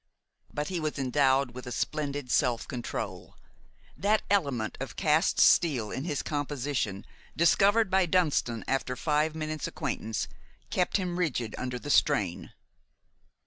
But he was endowed with a splendid self control. That element of cast steel in his composition, discovered by Dunston after five minutes' acquaintance, kept him rigid under the strain.